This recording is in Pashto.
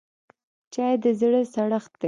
چای د زړه سړښت دی